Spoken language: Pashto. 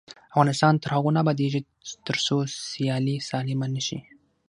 افغانستان تر هغو نه ابادیږي، ترڅو سیالي سالمه نشي.